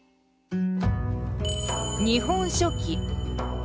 「日本書紀」。